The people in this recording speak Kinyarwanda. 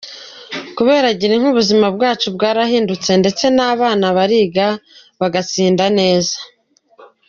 Kubera Girinka, ubuzima bwacu bwarahindutse ndetse n’ abana bariga bagatsinda neza.